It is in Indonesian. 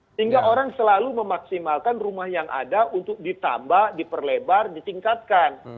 sehingga orang selalu memaksimalkan rumah yang ada untuk ditambah diperlebar ditingkatkan